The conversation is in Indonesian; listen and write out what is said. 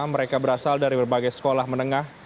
mereka berasal dari berbagai sekolah menengah